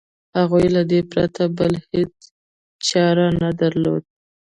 هغوی له دې پرته بله هېڅ چاره نه درلوده.